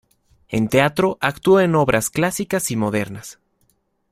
En teatro actuó en obras clásicas y modernas.